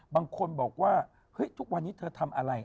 บางคนบอกว่าเฮ้ยทุกวันนี้เธอทำอะไร